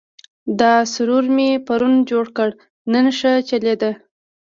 دا سرور مې پرون جوړ کړ، نن ښه چلېده.